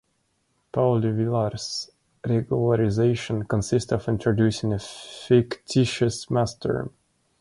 Pauli-Villars regularization consists of introducing a fictitious mass term.